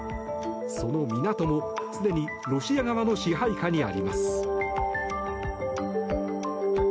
その港もすでにロシア側の支配下にあります。